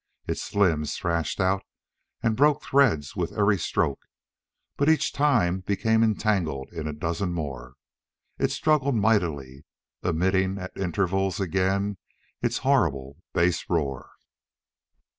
Its limbs thrashed out and broke threads with every stroke, but each time became entangled in a dozen more. It struggled mightily, emitting at intervals again its horrible bass roar.